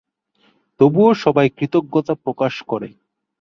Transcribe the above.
তবুও সবাই কৃতজ্ঞতা প্রকাশ করে।